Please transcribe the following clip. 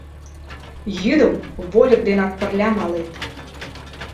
Йӱдым вольык денак пырля малет.